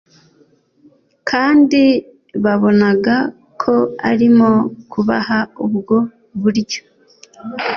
kandi babonaga ko arimo kubaha ubwo buryo.